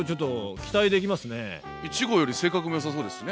１号より性格もよさそうですしね。